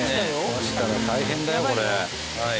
壊したら大変だよこれ。